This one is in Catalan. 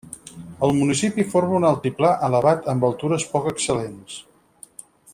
El municipi forma un altiplà elevat amb altures poc excel·lents.